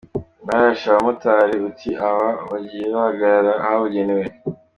– Barashe abamotari uti “awa, bagiye bahagarara ahabugenewe”